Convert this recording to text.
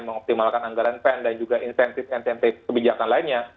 mengoptimalkan anggaran pen dan juga insentif insentif kebijakan lainnya